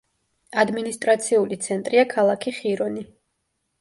ადმინისტრაციული ცენტრია ქალაქი ხირონი.